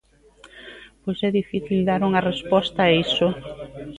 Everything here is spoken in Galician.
Pois é difícil dar unha resposta a iso.